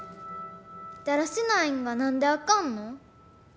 だらしないんがなんであかんの？